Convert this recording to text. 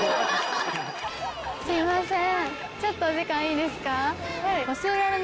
すいません。